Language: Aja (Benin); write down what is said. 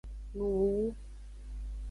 Nuwuwu.